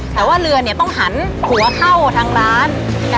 แต่ว่าเรือต้องหันหัวเข้าทางร้าน